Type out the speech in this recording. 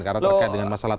karena terkait dengan masalah